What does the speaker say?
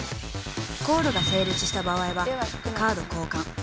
［コールが成立した場合はカード交換］